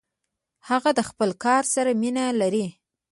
هغه د خپل کار سره مینه لري.